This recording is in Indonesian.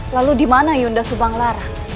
lalu di mana yunda subang lara